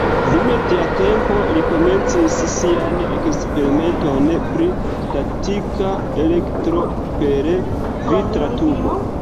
Dum tia tempo, li komencis siajn eksperimentojn pri statika elektro per vitra tubo.